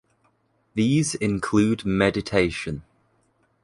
These include mediation.